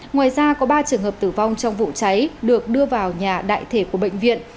ngoài ra có ba trường hợp tử vong trong vụ cháy được đưa vào nhà đại thể của bệnh viện